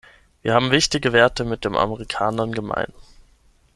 Wir haben wichtige Werte mit den Amerikanern gemein.